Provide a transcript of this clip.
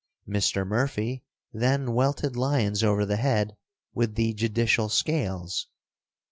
Mr. Murphy then welted Lyons over the head with the judicial scales.